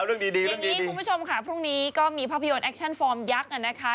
เย็นนี้คุณผู้ชมค่ะพรุ่งนี้ก็มีภาพยนต์แอคชั่นฟอร์มยักษ์นะนะคะ